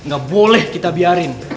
gak boleh kita biarin